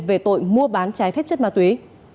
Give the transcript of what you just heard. về tội mua bán trái phép chất ma túy